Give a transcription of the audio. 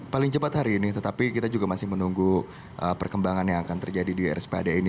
paling cepat hari ini tetapi kita juga masih menunggu perkembangan yang akan terjadi di rspad ini